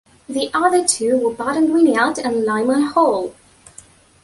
The other two were Button Gwinnett and Lyman Hall.